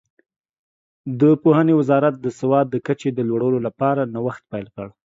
د پوهنې وزارت د سواد د کچې د لوړولو لپاره نوښت پیل کړ.